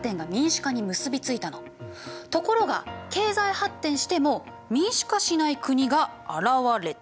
ところが経済発展しても民主化しない国が現れた。